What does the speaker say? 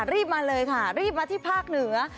รีบมาเลยค่ะรีบมาที่ภาคเหนือ